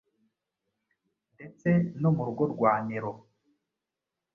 Ndetse no mu rugo rwa Nero,